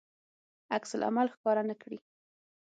عکس العمل ښکاره نه کړي.